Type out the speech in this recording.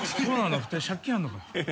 ２人借金あるのか。